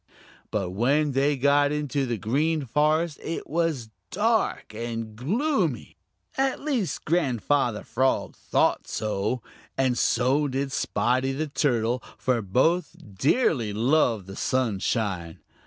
But when they got into the Green Forest it was dark and gloomy. At least Grandfather Frog thought so, and so did Spotty the Turtle, for both dearly love the sunshine.